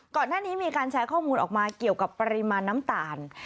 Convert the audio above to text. ก่อนหน้านี้มีการแชร์ข้อมูลออกมาเกี่ยวกับปริมาณน้ำตาล